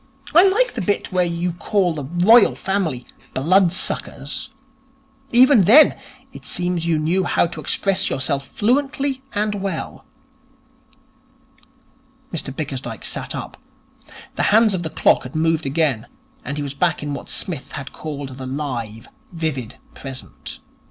I like the bit where you call the Royal Family "blood suckers". Even then, it seems you knew how to express yourself fluently and well.' Mr Bickersdyke sat up. The hands of the clock had moved again, and he was back in what Psmith had called the live, vivid present.